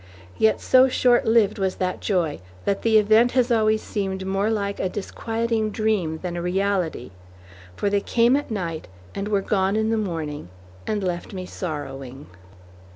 Yet, so short lived was that joy that the event has always seemed more like a disquieting dream than a reality; for they came at night and were gone in the morning, and left me sorrowing.